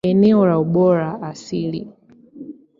Eneo la ubora asili.